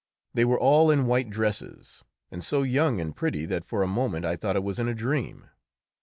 They were all in white dresses, and so young and pretty that for a moment I thought I was in a dream.